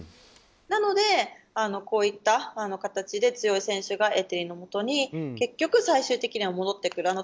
なので、こういった形で強い選手がエテリのもとに結局、最終的には戻ってくる。